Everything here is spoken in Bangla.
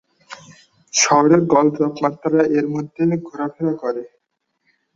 শহরের গড় তাপমাত্রা এর মধ্যে ঘোরাফেরা করে।